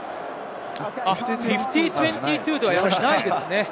５０：２２ではないですね。